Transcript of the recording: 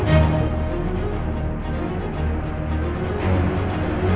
saya akan keluar